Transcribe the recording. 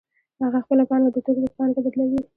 هغه خپله پانګه د توکو په پانګه بدلوي